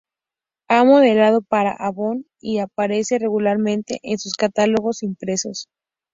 Ha modelado para "Avon" y aparece regularmente en sus catálogos impresos.